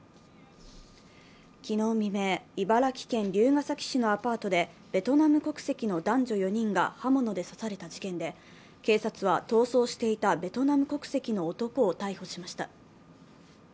昨日未明、茨城県龍ケ崎市のアパートで、ベトナム国籍の男女４人が刃物で刺された事件で警察は逃走していたベトナム国籍の男を逮捕しました。